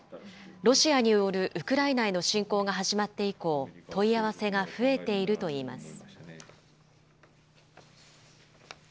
ロシアによるウクライナへの侵攻が始まって以降、問い合わせが増えているといいます。